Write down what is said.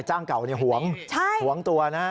วันนี้หวงหวงตัวนะ